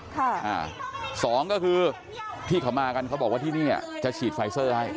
ค่ะอ่าสองก็คือที่เขามากันเขาบอกว่าที่นี่จะฉีดไฟเซอร์ให้